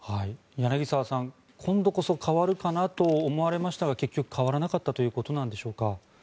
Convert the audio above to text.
柳澤さん、今度こそ変わるかなと思われましたが結局変わらなかったということなんでしょうか。